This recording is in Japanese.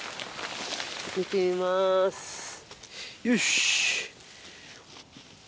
よし。